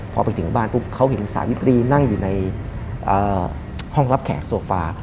พอไปถึงบ้านปุ๊บเขาเห็นสาวิตรีนั่งอยู่ในห้องรับแขกโซฟา